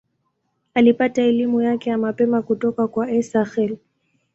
Alipata elimu yake ya mapema kutoka kwa Esakhel.